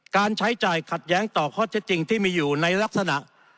ใช้จ่ายขัดแย้งต่อข้อเท็จจริงที่มีอยู่ในลักษณะ